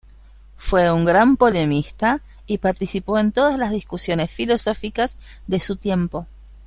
Fue un gran polemista y participó en todas las discusiones filosóficas de su tiempo.